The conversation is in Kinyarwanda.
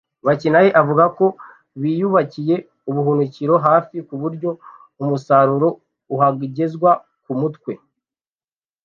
Bakinahe avuga ko biyubakiye ubuhunikiro hafi ku buryo umusaruro uhagezwa ku mutwe